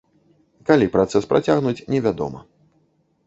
Калі працэс працягнуць, невядома.